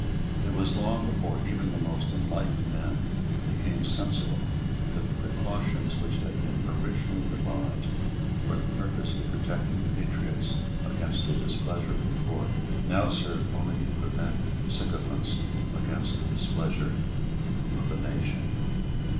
It was long before even the most enlightened men became sensible that the precautions which had been originally devised for the purpose of protecting patriots against the displeasure of the Court now served only to protect sycophants against the displeasure of the nation.